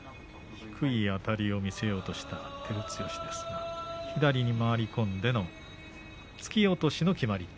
低いあたりを見せようとした照強ですが左に回り込んでの突き落としの決まり手。